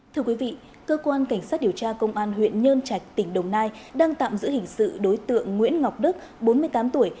thưa quý vị cơ quan cảnh sát điều tra công an huyện nhân trạch tỉnh đồng nai đang tạm giữ hình sự đối tượng nguyễn ngọc đức bốn mươi tám tuổi